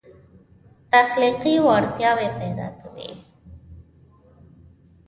تخلیقي وړتیاوې پیدا کوي.